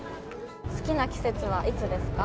好きな季節はいつですか？